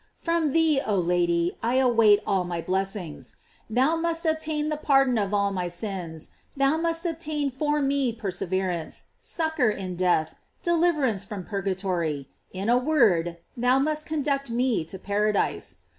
From thee, oh Lady, I await all my blessings. Thou must obtain the pardon of all my sins, thou must obtain for me perseverance, succor in death, de liverance from purgatory, in a word, thou must conduct me to paradise.